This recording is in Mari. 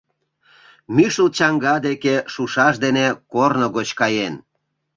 Мӱшыл чаҥга деке шушаш дене корно гоч каен.